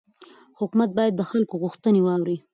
حکومت باید د خلکو غوښتنې واوري